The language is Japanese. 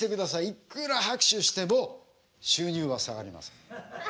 いくら拍手しても収入は下がりません。